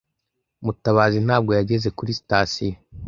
Mutabazi ntabwo yageze kuri sitasiyo